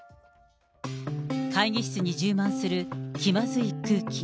会議室に充満する気まずい空気。